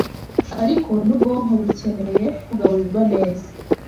ariko n’ubwonko bukeneye kugaburirwa neza